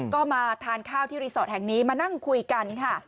ก็มาทานข้าวที่รีสอร์ทแห่งนี้มานั่งคุยกันค่ะ